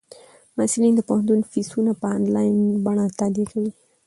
محصلین د پوهنتون فیسونه په انلاین بڼه تادیه کوي.